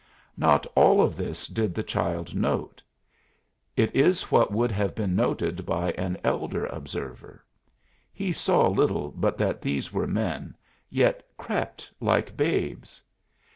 Not all of this did the child note; it is what would have been noted by an elder observer; he saw little but that these were men, yet crept like babes.